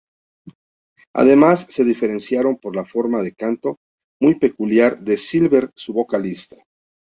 Además, se diferenciaron por la forma de canto muy peculiar de Silver, su vocalista.